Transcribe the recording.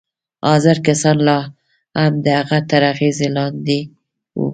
حاضر کسان لا هم د هغه تر اغېز لاندې وو